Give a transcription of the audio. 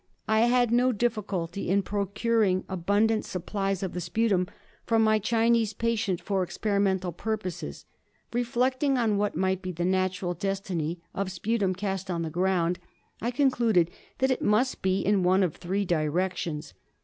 I had no difficulty in procuring abundant sup plies of the sputum from my Chinese patient for experi mental purposes. Reflecting on what might be the natural destiny of sputum cast on the ground, I con cluded that it must be in one of three directions.